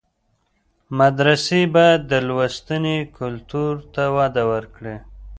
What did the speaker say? مدرسې باید د لوستنې کلتور ته وده ورکړي.